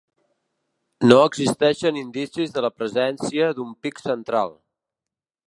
No existeixen indicis de la presència d'un pic central.